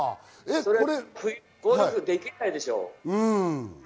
冬、ゴルフできないでしょ？